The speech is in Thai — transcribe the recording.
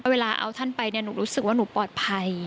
เวลาเอาท่านไปเนี่ยหนูรู้สึกว่าหนูปลอดภัย